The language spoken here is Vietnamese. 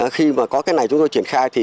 khi mà có cái này chúng tôi triển khai thì